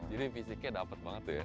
jadi fisiknya dapat banget tuh ya